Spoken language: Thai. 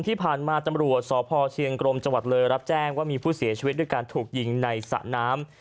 ที่ผ่านมาตำรวจสพเชียงกรมจังหวัดเลยรับแจ้งว่ามีผู้เสียชีวิตด้วยการถูกยิงในสระน้ำ